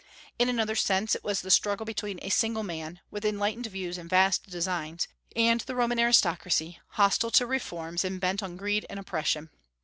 In another sense it was the struggle between a single man with enlightened views and vast designs and the Roman aristocracy, hostile to reforms, and bent on greed and oppression.